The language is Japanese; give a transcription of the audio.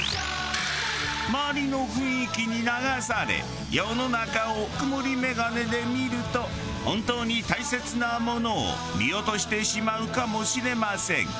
周りの雰囲気に流され世の中を曇りメガネで見ると本当に大切なものを見落としてしまうかもしれません。